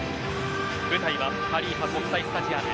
舞台はハリーファ国際スタジアム。